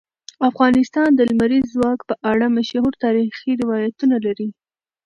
افغانستان د لمریز ځواک په اړه مشهور تاریخی روایتونه لري.